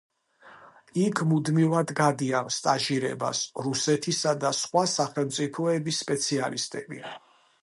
იქ მუდმივად გადიან სტაჟირებას რუსეთისა და სხვა სახელმწიფოების სპეციალისტები.